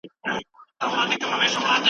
اسدالله خان يو مستقل او مېړنی واکمن ثابت شو.